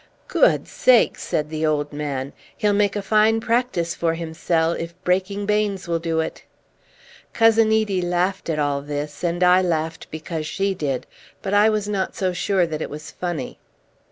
"Guid sakes!" said the old man. "He'll make a fine practice for himsel', if breaking banes will do it." Cousin Edie laughed at all this, and I laughed because she did; but I was not so sure that it was funny.